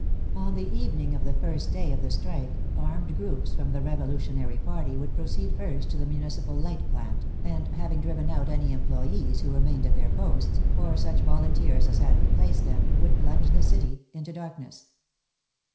On the evening of the first day of the strike, armed groups from the revolutionary party would proceed first to the municipal light plant, and, having driven out any employees who remained at their posts, or such volunteers as had replaced them, would plunge the city into darkness.